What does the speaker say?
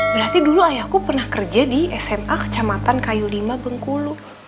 berarti dulu ayahku pernah kerja di sma kecamatan kayu lima bengkulu